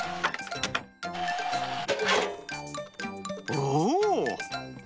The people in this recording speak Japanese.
おお！